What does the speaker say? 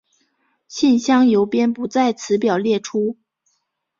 信箱邮编不在此表列出。